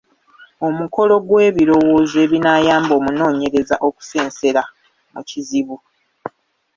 Omukolo gw’ebirowoozo ebinaayamba omunoonyereza okusensera mu kizibu.